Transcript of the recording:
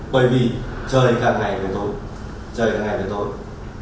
bởi vì trời càng ngày đầy tối trời càng ngày đầy tối